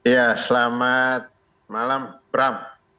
ya selamat malam beram